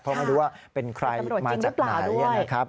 เพราะไม่รู้ว่าเป็นใครมาจากไหนนะครับ